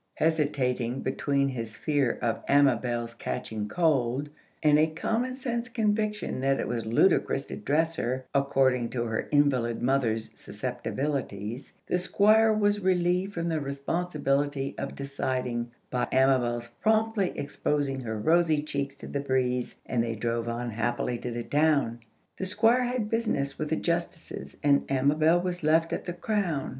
Hesitating between his fear of Amabel's catching cold, and a common sense conviction that it was ludicrous to dress her according to her invalid mother's susceptibilities, the Squire was relieved from the responsibility of deciding by Amabel's promptly exposing her rosy cheeks to the breeze, and they drove on happily to the town. The Squire had business with the Justices, and Amabel was left at the Crown.